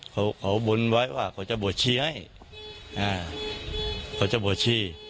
เขาบุญไว้ว่าเขาจะบวชชีให้เขาจะบวชชี